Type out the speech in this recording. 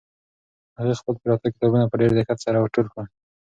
هغې خپل پراته کتابونه په ډېر دقت سره ور ټول کړل.